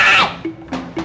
masih berani kamu